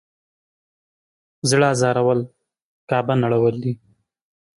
زړه ازارول کعبه نړول دی.